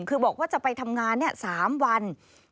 คือบอกว่าจะไปทำงาน๓วัน